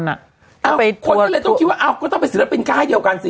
คนก็เลยต้องคิดว่าอ้าวก็ต้องเป็นศิลปินค่ายเดียวกันสิ